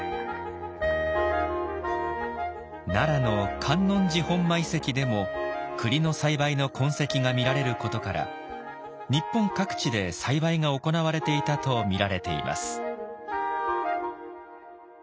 奈良の観音寺本馬遺跡でもクリの栽培の痕跡が見られることから日本各地で栽培が行われていたと見られています。